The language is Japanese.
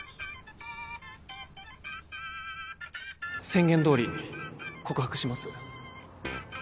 宣言どおり告白します